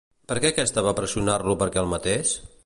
Per què aquesta va pressionar-lo perquè el matés?